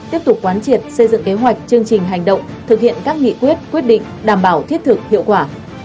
tiếp tục quán triệt xây dựng kế hoạch chương trình hành động thực hiện các nghị quyết quyết định đảm bảo thiết thực hiệu quả